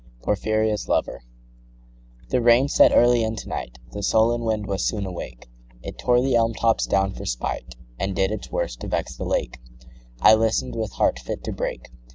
Porphyria's Lover THE rain set early in to night, The sullen wind was soon awake, It tore the elm tops down for spite, And did its worst to vex the lake: I listen'd with heart fit to break.